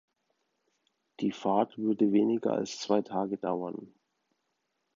Die Fahrt würde weniger als zwei Tage dauern.